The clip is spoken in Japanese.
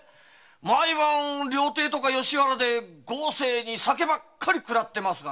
毎晩料亭や吉原で豪勢に酒ばかりくらってますがね。